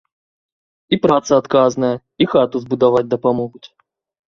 І праца адказная, і хату збудаваць дапамогуць.